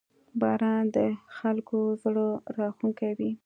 • باران د خلکو زړه راښکونکی وي.